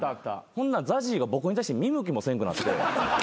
ほんならＺＡＺＹが僕に対して見向きもせんくなって。